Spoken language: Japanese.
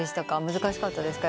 難しかったですか？